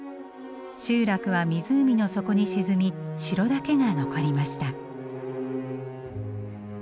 集落は湖の底に沈み城だけが残りました。